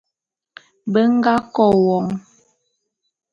Be nga KO won.